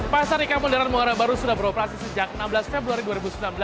pasar ikan modern muara baru sudah beroperasi sejak enam belas februari dua ribu sembilan belas